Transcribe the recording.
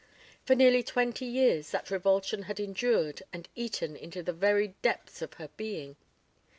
For nearly twenty years that revulsion had endured and eaten into the very depths of her being.